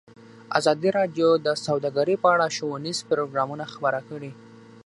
ازادي راډیو د سوداګري په اړه ښوونیز پروګرامونه خپاره کړي.